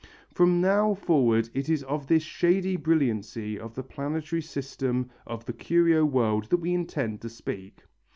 From now forward it is of this shady brilliancy of the planetary system of the curio world that we intend to speak.